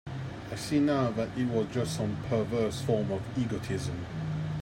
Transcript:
I see now that it was just some perverse form of egotism.